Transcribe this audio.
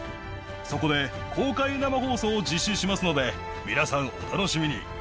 そこで公開生放送を実施しますので、皆さん、お楽しみに。